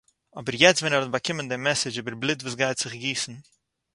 אבער יעצט ווען ער האט באקומען דעם מעסעדזש איבער בלוט וואס גייט זיך גיסן